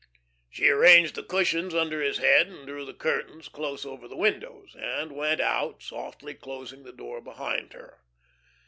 She arranged the cushions under his head and drew the curtains close over the windows, and went out, softly closing the door behind her.